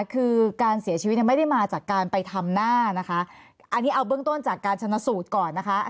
คือการเสียชีวิตเนี่ยไม่ได้มาจากการไปทำหน้านะคะอันนี้เอาเบื้องต้นจากการชนะสูตรก่อนนะคะ